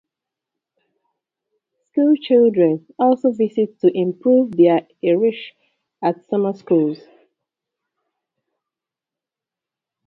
School children also visit to improve their Irish at summer schools.